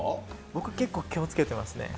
僕、結構気をつけていますね。